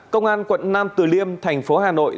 công an quận nam từ liêm thành phố hà nội